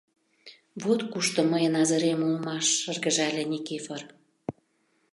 — Вот кушто мыйын азырем улмаш, — шыргыжале Никифор.